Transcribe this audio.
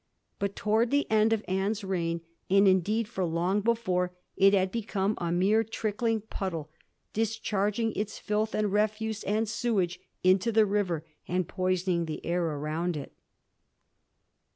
But towards the end of Anne's reign, and indeed for long before, it had become a mere trickling puddle, discharging its filth and refuse and sewage into the river, and poisoning the air around it.